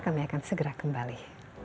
kami akan segera kembali